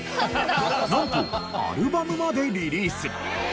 なんとアルバムまでリリース。